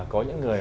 có những người